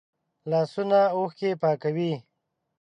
لاسونه اوښکې پاکوي